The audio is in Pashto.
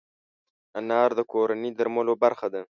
انار د کورني درملو برخه ده.